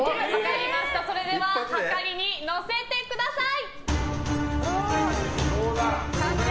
それでははかりに乗せてください。